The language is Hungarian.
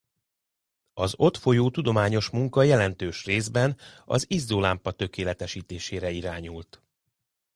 Az ott folyó tudományos munka jelentős részben az izzólámpa tökéletesítésére irányult.